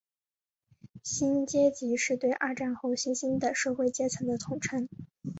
新阶级是对二战后新兴的社会阶层的统称。